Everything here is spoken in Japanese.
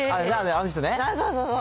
あの方ね。